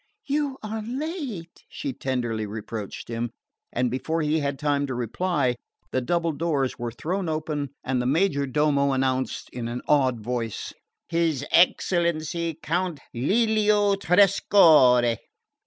"You are late!" she tenderly reproached him; and before he had time to reply, the double doors were thrown open, and the major domo announced in an awed voice: "His excellency Count Lelio Trescorre."